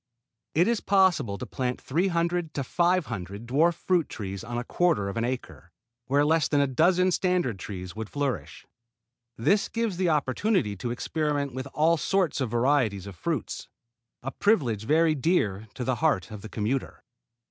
It is possible to plant three hundred to five hundred dwarf fruit trees on a quarter of an acre, where less than a dozen standard trees would flourish. This gives the opportunity to experiment with all sorts and varieties of fruits, a privilege very dear to the heart of the commuter.